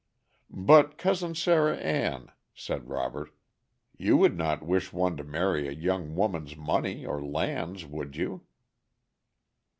"But, Cousin Sarah Ann," said Robert, "you would not wish one to marry a young woman's money or lands, would you?"